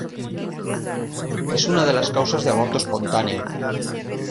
Es una de las causas de aborto espontáneo.